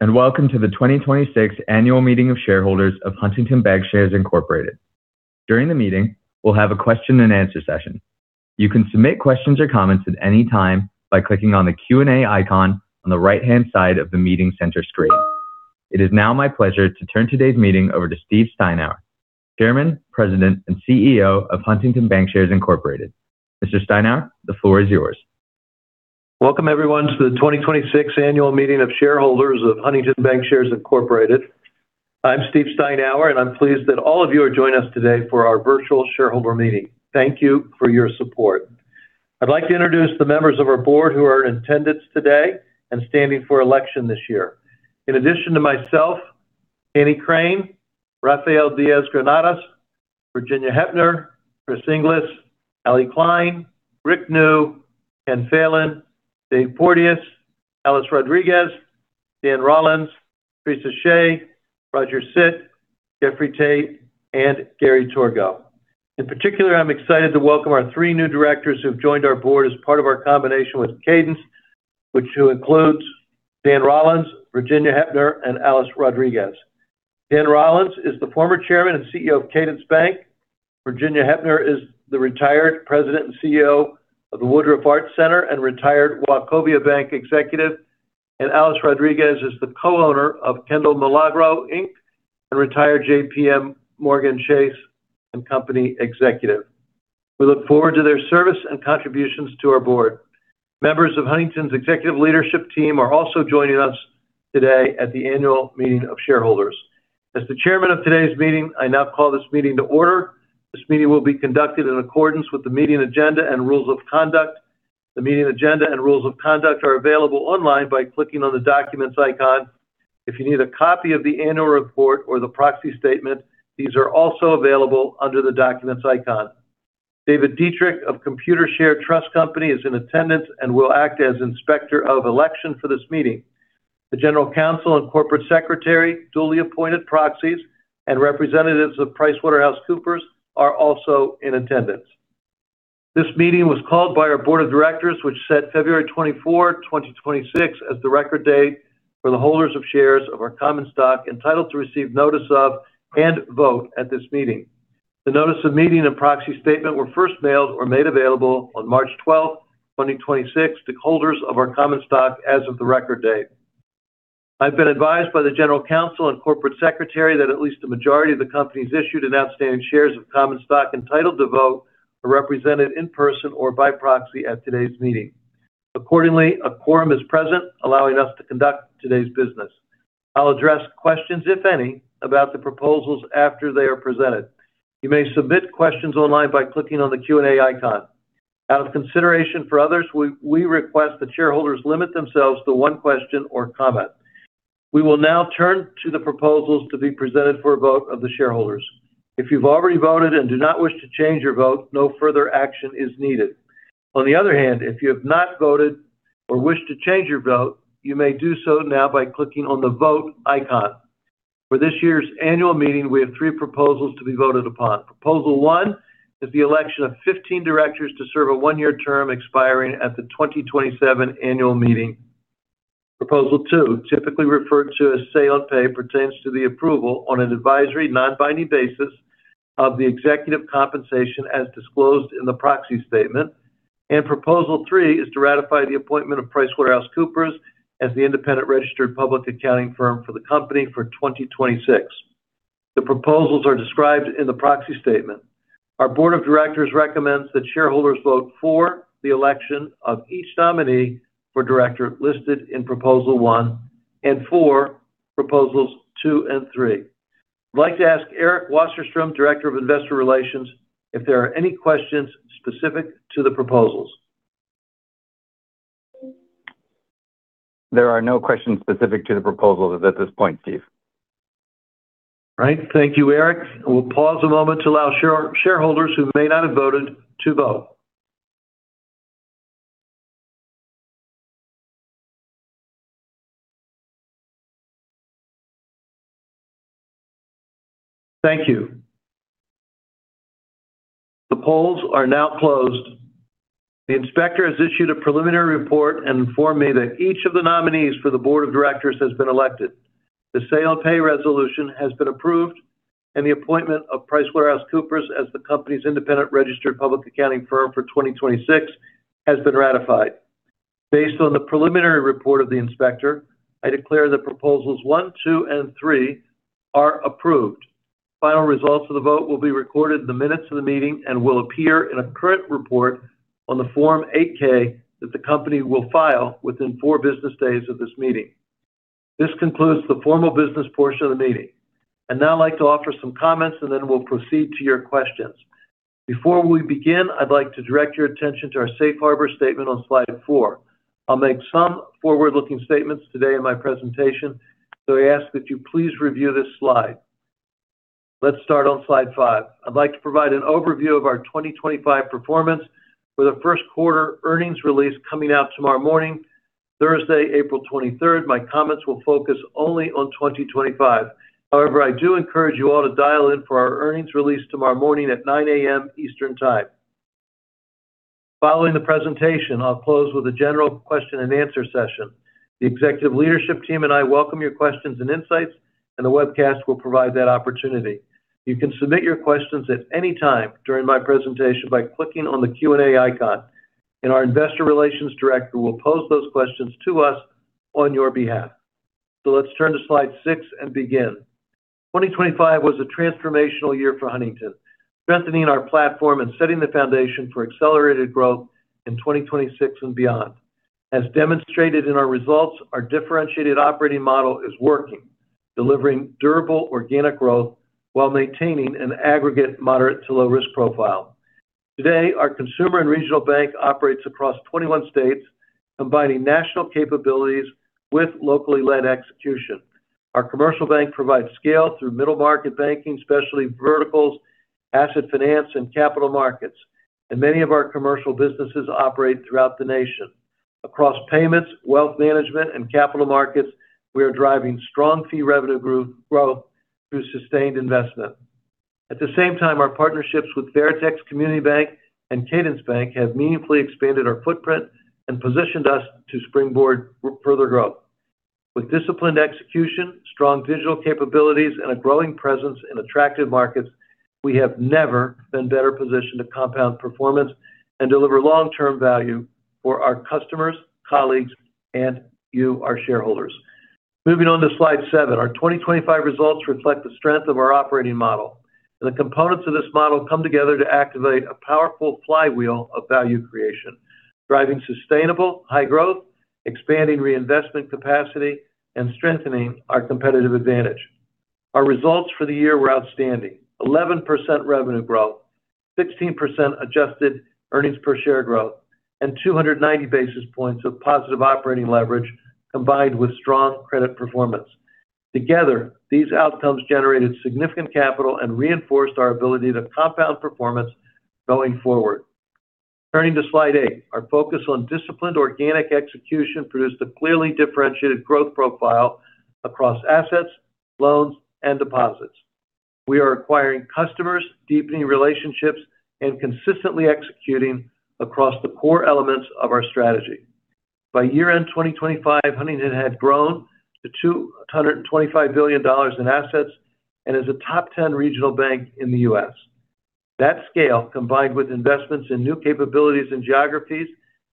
Hello, and welcome to the 2026 annual meeting of shareholders of Huntington Bancshares Incorporated. During the meeting, we'll have a question and answer session. You can submit questions or comments at any time by clicking on the Q&A icon on the right-hand side of the meeting center screen. It is now my pleasure to turn today's meeting over to Steve Steinour, Chairman, President, and CEO of Huntington Bancshares Incorporated. Mr. Steinour, the floor is yours. Welcome, everyone, to the 2026 annual meeting of shareholders of Huntington Bancshares Incorporated. I'm Steve Steinour, and I'm pleased that all of you are joining us today for our virtual shareholder meeting. Thank you for your support. I'd like to introduce the members of our board who are in attendance today and standing for election this year. In addition to myself, Ann Crane, Rafael Diaz-Granados, Virginia Hepner, Chris Inglis, Allie Kline, Rick Neu, Ken Phelan, Dave Porteous, Alice Rodriguez, Dan Rollins, Teresa Shea, Roger Sit, Jeffrey Tate, and Gary Torgow. In particular, I'm excited to welcome our three new directors who've joined our board as part of our combination with Cadence, which includes Dan Rollins, Virginia Hepner, and Alice Rodriguez. James D. Rollins III is the former chairman and CEO of Cadence Bank, Virginia A. Hepner is the retired president and CEO of the Woodruff Arts Center and retired Wachovia Bank executive, and Alice Rodriguez is the co-owner of Kendall Milagro, Inc. and retired JPMorgan Chase & Co executive. We look forward to their service and contributions to our board. Members of Huntington's executive leadership team are also joining us today at the annual meeting of shareholders. As the Chairman of today's meeting, I now call this meeting to order. This meeting will be conducted in accordance with the meeting agenda and rules of conduct. The meeting agenda and rules of conduct are available online by clicking on the documents icon. If you need a copy of the annual report or the proxy statement, these are also available under the documents icon. David Dietrich of Computershare Trust Company is in attendance and will act as Inspector of Election for this meeting. The general counsel and corporate secretary, duly appointed proxies, and representatives of PricewaterhouseCoopers are also in attendance. This meeting was called by our board of directors, which set February 24, 2026 as the record date for the holders of shares of our common stock entitled to receive notice of and vote at this meeting. The notice of meeting and proxy statement were first mailed or made available on March 12, 2026 to holders of our common stock as of the record date. I've been advised by the general counsel and corporate secretary that at least a majority of the company's issued and outstanding shares of common stock entitled to vote are represented in person or by proxy at today's meeting. Accordingly, a quorum is present, allowing us to conduct today's business. I'll address questions, if any, about the proposals after they are presented. You may submit questions online by clicking on the Q&A icon. Out of consideration for others, we request that shareholders limit themselves to one question or comment. We will now turn to the proposals to be presented for a vote of the shareholders. If you've already voted and do not wish to change your vote, no further action is needed. On the other hand, if you have not voted or wish to change your vote, you may do so now by clicking on the Vote icon. For this year's annual meeting, we have three proposals to be voted upon. Proposal one is the election of 15 directors to serve a one-year term expiring at the 2027 annual meeting. Proposal two, typically referred to as say on pay, pertains to the approval on an advisory, non-binding basis of the executive compensation as disclosed in the proxy statement. Proposal three is to ratify the appointment of PricewaterhouseCoopers as the independent registered public accounting firm for the company for 2026. The proposals are described in the proxy statement. Our board of directors recommends that shareholders vote for the election of each nominee for director listed in proposal one and for proposals two and three. I'd like to ask Eric Wasserstrom, Director of Investor Relations, if there are any questions specific to the proposals. There are no questions specific to the proposals at this point, Steve. All right. Thank you, Eric. We'll pause a moment to allow shareholders who may not have voted to vote. Thank you. The polls are now closed. The inspector has issued a preliminary report and informed me that each of the nominees for the board of directors has been elected. The say on pay resolution has been approved, and the appointment of PricewaterhouseCoopers as the company's independent registered public accounting firm for 2026 has been ratified. Based on the preliminary report of the inspector, I declare that proposals one, two, and three are approved. Final results of the vote will be recorded in the minutes of the meeting and will appear in a current report on the Form 8-K that the company will file within four business days of this meeting. This concludes the formal business portion of the meeting. I'd now like to offer some comments, and then we'll proceed to your questions. Before we begin, I'd like to direct your attention to our safe harbor statement on slide four. I'll make some forward-looking statements today in my presentation, so I ask that you please review this slide. Let's start on slide five. I'd like to provide an overview of our 2025 performance with a first quarter earnings release coming out tomorrow morning, Thursday, April 23. My comments will focus only on 2025. However, I do encourage you all to dial in for our earnings release tomorrow morning at 9:00 A.M. Eastern Time. Following the presentation, I'll close with a general question and answer session. The executive leadership team and I welcome your questions and insights, and the webcast will provide that opportunity. You can submit your questions at any time during my presentation by clicking on the Q&A icon, and our investor relations director will pose those questions to us on your behalf. Let's turn to slide six and begin. 2025 was a transformational year for Huntington, strengthening our platform and setting the foundation for accelerated growth in 2026 and beyond. As demonstrated in our results, our differentiated operating model is working, delivering durable organic growth while maintaining an aggregate moderate to low risk profile. Today, our consumer and regional bank operates across 21 states, combining national capabilities with locally led execution. Our commercial bank provides scale through middle market banking, specialty verticals, asset finance, and capital markets. Many of our commercial businesses operate throughout the nation. Across payments, wealth management, and capital markets, we are driving strong fee revenue growth through sustained investment. At the same time, our partnerships with Veritex Community Bank and Cadence Bank have meaningfully expanded our footprint and positioned us to springboard further growth. With disciplined execution, strong digital capabilities, and a growing presence in attractive markets, we have never been better positioned to compound performance and deliver long-term value for our customers, colleagues, and you, our shareholders. Moving on to slide seven. Our 2025 results reflect the strength of our operating model, and the components of this model come together to activate a powerful flywheel of value creation, driving sustainable high growth, expanding reinvestment capacity, and strengthening our competitive advantage. Our results for the year were outstanding. 11% revenue growth, 16% adjusted earnings per share growth, and 290 basis points of positive operating leverage combined with strong credit performance. Together, these outcomes generated significant capital and reinforced our ability to compound performance going forward. Turning to slide eight. Our focus on disciplined organic execution produced a clearly differentiated growth profile across assets, loans, and deposits. We are acquiring customers, deepening relationships, and consistently executing across the core elements of our strategy. By year-end 2025, Huntington had grown to $225 billion in assets and is a top 10 regional bank in the U.S. That scale, combined with investments in new capabilities and geographies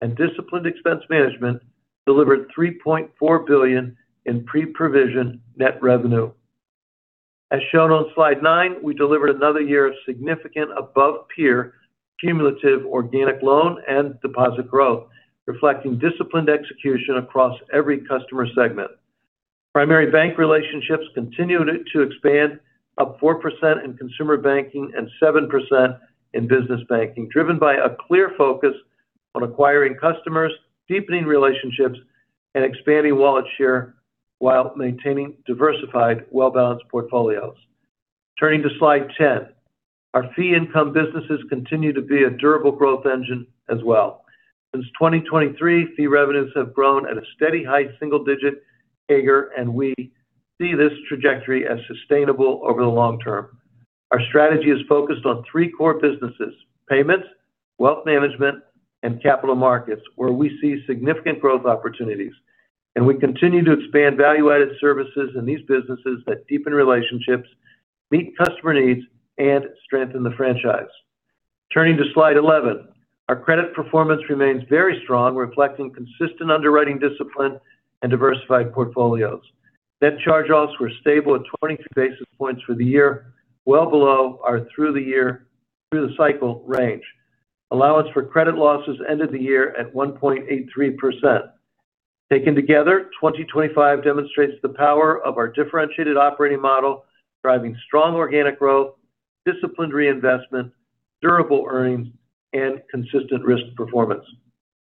and disciplined expense management, delivered $3.4 billion in pre-provision net revenue. As shown on slide nine, we delivered another year of significant above peer cumulative organic loan and deposit growth, reflecting disciplined execution across every customer segment. Primary bank relationships continued to expand, up 4% in consumer banking and 7% in business banking, driven by a clear focus on acquiring customers, deepening relationships, and expanding wallet share while maintaining diversified, well-balanced portfolios. Turning to slide 10. Our fee income businesses continue to be a durable growth engine as well. Since 2023, fee revenues have grown at a steady, high single digit CAGR, and we see this trajectory as sustainable over the long term. Our strategy is focused on three core businesses, payments, wealth management, and capital markets, where we see significant growth opportunities, and we continue to expand value added services in these businesses that deepen relationships, meet customer needs, and strengthen the franchise. Turning to slide 11. Our credit performance remains very strong, reflecting consistent underwriting discipline and diversified portfolios. Net charge-offs were stable at 22 basis points for the year, well below our through the cycle range. Allowance for credit losses ended the year at 1.83%. Taken together, 2025 demonstrates the power of our differentiated operating model, driving strong organic growth, disciplined reinvestment, durable earnings, and consistent risk performance.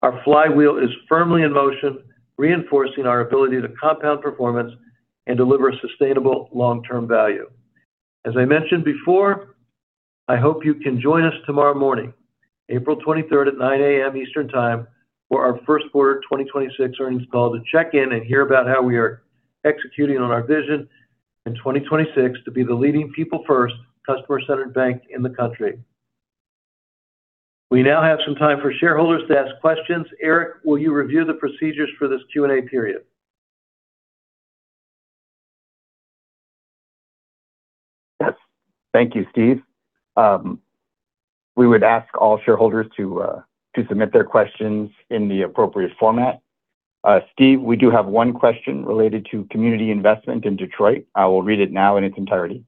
Our flywheel is firmly in motion, reinforcing our ability to compound performance and deliver sustainable long-term value. As I mentioned before, I hope you can join us tomorrow morning, April 23rd, at 9:00 A.M. Eastern Time for our first quarter 2026 earnings call to check in and hear about how we are executing on our vision in 2026 to be the leading people first customer centered bank in the country. We now have some time for shareholders to ask questions. Eric, will you review the procedures for this Q&A period? Yes. Thank you, Steve. We would ask all shareholders to submit their questions in the appropriate format. Steve, we do have one question related to community investment in Detroit. I will read it now in its entirety.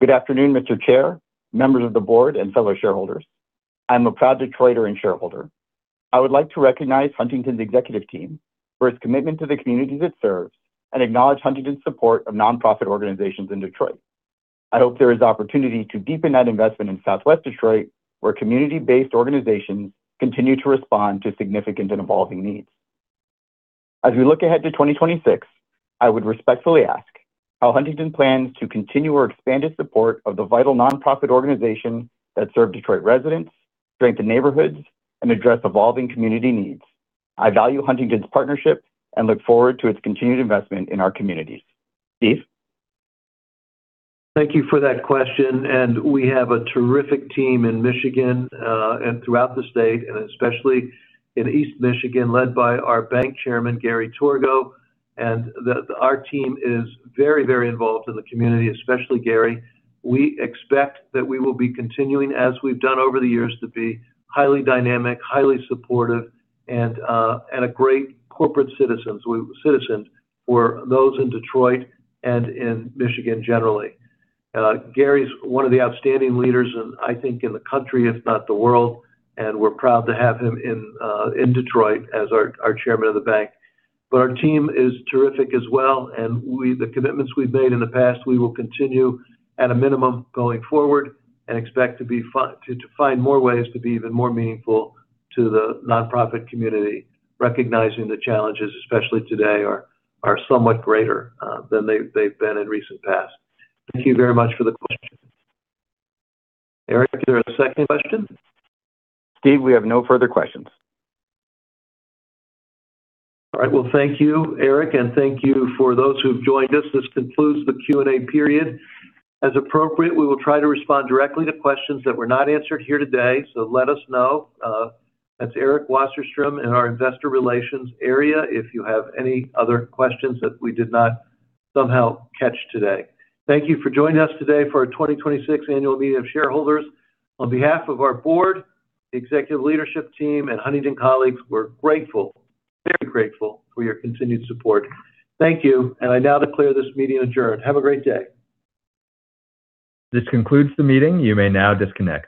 "Good afternoon, Mr. Chair, members of the board, and fellow shareholders. I'm a proud Detroiter and shareholder. I would like to recognize Huntington's executive team for its commitment to the communities it serves and acknowledge Huntington's support of nonprofit organizations in Detroit. I hope there is opportunity to deepen that investment in Southwest Detroit, where community-based organizations continue to respond to significant and evolving needs. As we look ahead to 2026, I would respectfully ask how Huntington plans to continue or expand its support of the vital nonprofit organization that serve Detroit residents, strengthen neighborhoods, and address evolving community needs. I value Huntington's partnership and look forward to its continued investment in our communities." Steve. Thank you for that question. We have a terrific team in Michigan, and throughout the state, and especially in East Michigan, led by our Bank Chairman, Gary Torgow. Our team is very involved in the community, especially Gary. We expect that we will be continuing, as we've done over the years, to be highly dynamic, highly supportive, and a great corporate citizen for those in Detroit and in Michigan generally. Gary's one of the outstanding leaders, and I think in the country, if not the world, and we're proud to have him in Detroit as our Chairman of the Bank. Our team is terrific as well, and the commitments we've made in the past, we will continue at a minimum going forward and expect to find more ways to be even more meaningful to the nonprofit community, recognizing the challenges, especially today, are somewhat greater than they've been in recent past. Thank you very much for the question. Eric, is there a second question? Steve, we have no further questions. All right. Well, thank you, Eric, and thank you for those who've joined us. This concludes the Q&A period. As appropriate, we will try to respond directly to questions that were not answered here today, so let us know. That's Eric Wasserstrom in our investor relations area, if you have any other questions that we did not somehow catch today. Thank you for joining us today for our 2026 Annual Meeting of Shareholders. On behalf of our board, the executive leadership team, and Huntington colleagues, we're grateful, very grateful for your continued support. Thank you, and I now declare this meeting adjourned. Have a great day. This concludes the meeting. You may now disconnect.